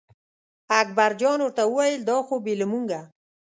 اکبرجان ورته وویل دا خو بې له مونږه.